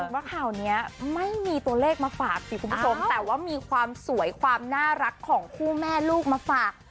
ว่าข่าวนี้ไม่มีตัวเลขมาฝากสิคุณผู้ชมแต่ว่ามีความสวยความน่ารักของคู่แม่ลูกมาฝาก